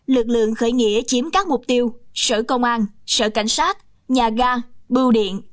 lực lượng khởi nghĩa chiếm các mục tiêu sở công an sở cảnh sát nhà ga bưu điện